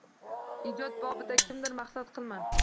Ijod bobida kimgadir hasad qilma.